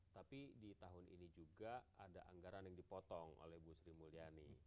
tapi di tahun ini juga ada anggaran yang dipotong oleh bu sri mulyani